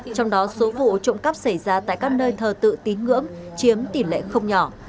trong đó số vụ trộm cắp xảy ra tại các nơi thờ tự tín ngưỡng chiếm tỷ lệ không nhỏ